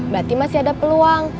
berarti masih ada peluang